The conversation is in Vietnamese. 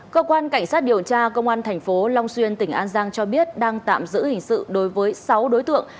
cơ quan cảnh sát điều tra công an tp long xuyên tỉnh an giang cho biết đang tạm giữ hình sự đối với sáu đối tượng